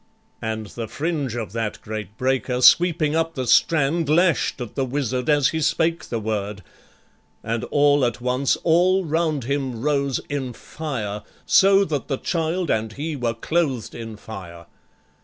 And the fringe Of that great breaker, sweeping up the strand, Lash'd at the wizard as he spake the word, And all at once all round him rose in fire, So that the child and he were clothed in fire.